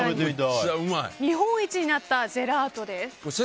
日本一になったジェラートです。